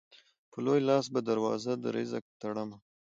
په لوی لاس به دروازه د رزق تړمه